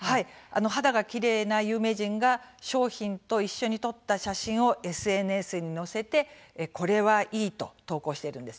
肌がきれいな有名人が商品と一緒に撮った写真をＳＮＳに載せて「これはいい！」と投稿しているんですね。